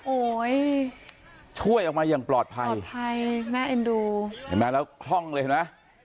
โอ้ยช่วยออกมาอย่างปลอดภัยใช่น่าเอ็นดูเห็นไหมแล้วคล่องเลยเห็นไหม